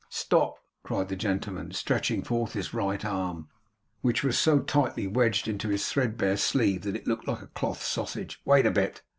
'Stop' cried the gentleman, stretching forth his right arm, which was so tightly wedged into his threadbare sleeve that it looked like a cloth sausage. 'Wait a bit!